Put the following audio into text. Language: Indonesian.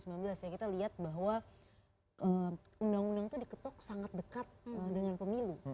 karena kita lihat bahwa undang undang itu diketok sangat dekat dengan pemilu